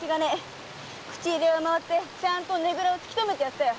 口入れ屋を回ってちゃんとねぐらをつきとめてやったよ。